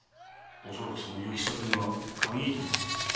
おそらくその行き先が鍵となろう。